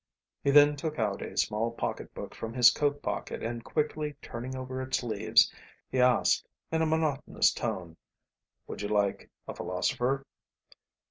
He then took out a small pocket book from his coat pocket, and quickly turning over its leaves he asked in a monotonous tone: "Would you like a Philosopher?